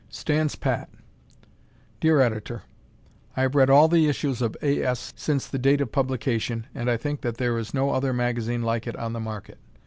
Stands Pat Dear Editor: I have read all the issues of A. S. since the date of publication and think that there is no other magazine like it on the market.